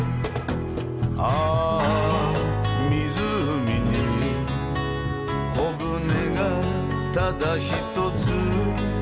「ああ湖に小舟がただひとつ」